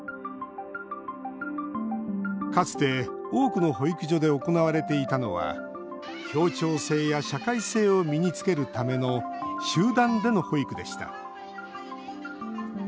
かつて多くの保育所で行われていたのは協調性や社会性を身につけるための集団での保育でした。